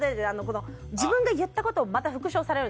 自分が言ったことをまた復唱されるんですよ。